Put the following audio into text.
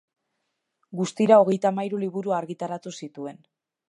Guztira hogeita hamahiru liburu argitaratu zituen.